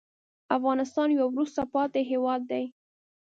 افغانستان یو وروسته پاتې هېواد دی.